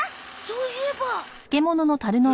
そういえば。